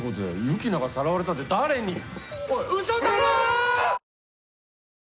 ユキナがさらわれたって誰に！？